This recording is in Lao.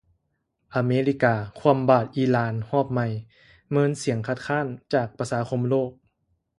ອາເມລິກາຄວໍ້າບາດອິຫຼ່ານຮອບໃໝ່ເມີນສຽງຄັດຄ້ານຈາກປະຊາຄົມໂລກ